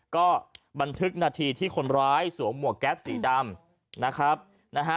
ก็บันทึกนาทีที่คนร้ายสวมหมวกแก๊สสีดำ